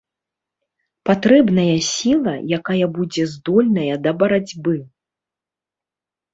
Патрэбная сіла, якая будзе здольная да барацьбы.